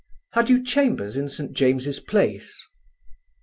"Had you chambers in St. James's Place?"